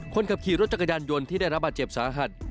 คนขับขี่รถจักรยานยนต์ที่ได้รับบาดเจ็บสาหัส